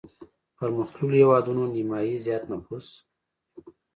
پرمختلليو هېوادونو نيمايي زيات نفوس